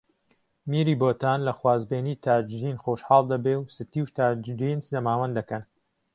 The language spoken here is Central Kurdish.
میری بۆتان لە خوازبێنیی تاجدین خۆشحاڵ دەبێ و ستی و تاجدین زەماوەند دەکەن